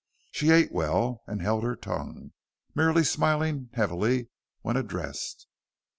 She ate well and held her tongue, merely smiling heavily when addressed.